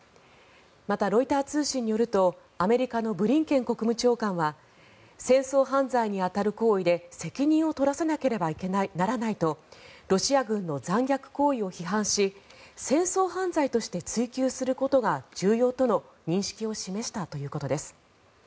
また、ロイター通信によるとアメリカのブリンケン国務長官は戦争犯罪に当たる行為で責任を取らせなければならないとロシア軍の残虐行為を批判し戦争犯罪として追及することが重要との認識を示したということです。